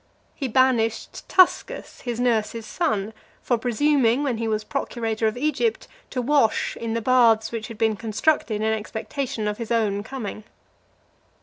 He banished Tuscus, his nurse's son, for presuming, when he was procurator of Egypt, to wash in the baths which had been constructed in expectation of his own coming.